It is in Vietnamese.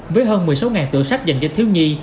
với hơn một mươi sáu tựa sách dành cho thiếu nhi